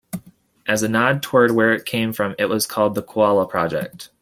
As a nod toward where it came from it was called the "Koala Project".